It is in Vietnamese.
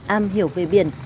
am hiểu về biển